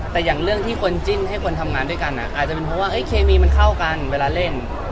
แต่อย่างเรื่องที่คนจิ้นให้คนทำงานด้วยกันอาจจะเป็นเพราะว่าเคมีมันเข้ากันเวลาเล่น